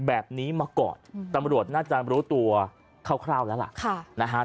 แบบนี้มาก่อนตำรวจน่าจะรู้ตัวคร่าวแล้วล่ะนะฮะ